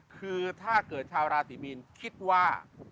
คือถ้าเกิดชาวราศีมีนคิดว่า